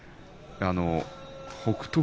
北勝